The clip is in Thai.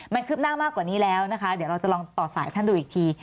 มันคืบหน้ามากกว่านี้แล้วนะคะเดี๋ยวเราจะลองต่อสายท่านดูอีกที